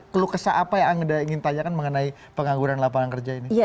keluh kesah apa yang anda ingin tanyakan mengenai pengangguran lapangan kerja ini